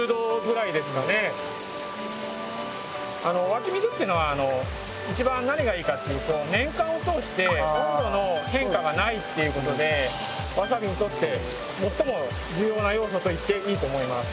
湧き水っていうのはいちばん何がいいかっていうと年間を通して温度の変化がないっていうことでわさびにとって最も重要な要素と言っていいと思います。